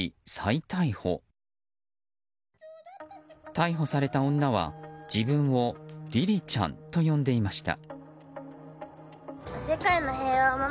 逮捕された女は、自分をりりちゃんと呼んでいました。